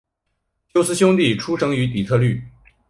休斯兄弟出生于底特律。